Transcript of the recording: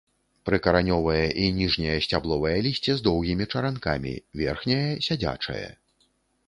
Прыкаранёвае і ніжняе сцябловае лісце з доўгімі чаранкамі, верхняе сядзячае.